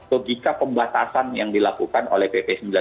logika pembatasan yang dilakukan oleh pp sembilan puluh sembilan